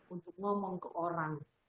untuk ngomong ke orang